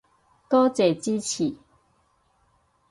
多謝支持